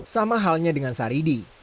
sama halnya dengan saridi